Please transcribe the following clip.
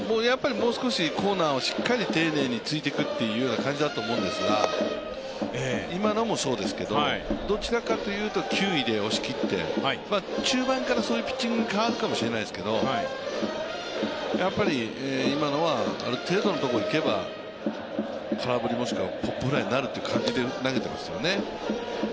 もう少しコーナーをしっかり丁寧に突いていくというような感じだと思うんですが今のもそうですけど、どちらかというと球威で押し切って、中盤からそういうピッチングに変わるかもしれないですけれども、今のはある程度のところいけば空振りもしくはポップフライになるという感じで投げてますよね。